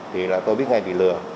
thì là tôi biết ngay bị lừa